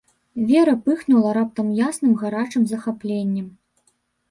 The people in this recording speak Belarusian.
Вера пыхнула раптам ясным гарачым захапленнем.